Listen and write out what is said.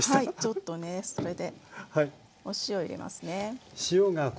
ちょっとねそれでお塩入れますね。